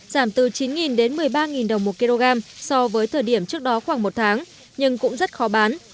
giảm từ chín đến một mươi ba đồng một kg so với thời điểm trước đó khoảng một tháng nhưng cũng rất khó bán